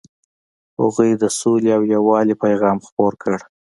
هغوی د سولې او یووالي پیغام خپور کړ.